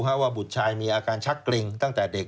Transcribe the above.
เพราะว่าบุตรชายมีอาการชักเกร็งตั้งแต่เด็ก